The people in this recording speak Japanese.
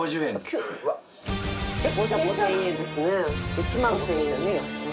１万５，０００円。